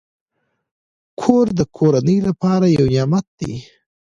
کور د کورنۍ لپاره یو نعمت دی.